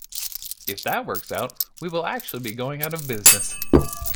If that works out, we will actually be going out of business.